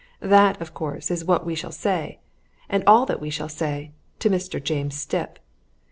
"That, of course, is what we shall say and all that we shall say to Mr. James Stipp.